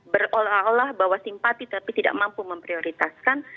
berolah olah bahwa simpati tapi tidak mampu memprioritaskan